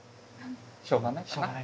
しょうがないかな。